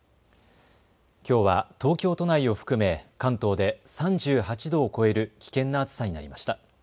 きょうは東京都内を含め関東で３８度を超える危険な暑さになりました。